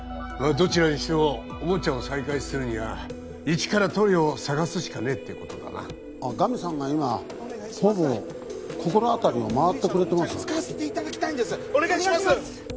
どちらにしてもおもちゃを再開するにはイチから塗料を探すしかねえってことだなあっガミさんが今方々心当たりを回ってくれてます使わせていただきたいんですお願いします！